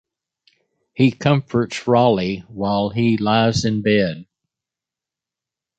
He comforts Raleigh while he lies in bed.